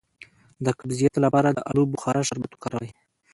د قبضیت لپاره د الو بخارا شربت وکاروئ